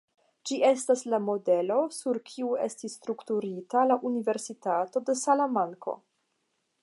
Ĝi estis la modelo sur kiu estis strukturita la Universitato de Salamanko.